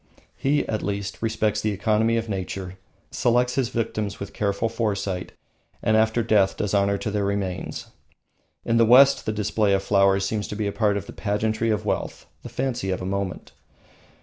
He, at least, respects the economy of nature, selects his victims with careful foresight, and after death does honour to their remains. In the West the display of flowers seems to be a part of the pageantry of wealth, the fancy of a moment.